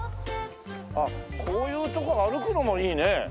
あっこういうとこ歩くのもいいね。